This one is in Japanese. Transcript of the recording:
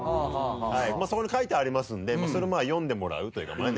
そこに書いてありますんでそれを読んでもらうというか。